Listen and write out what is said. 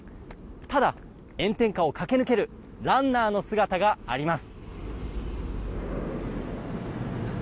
ただ、炎天下を駆け抜けるランナーの姿があります。